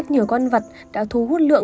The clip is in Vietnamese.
đã thu hút lượng